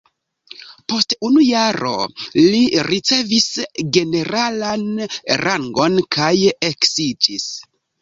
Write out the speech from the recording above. Post unu jaro li ricevis generalan rangon kaj eksiĝis.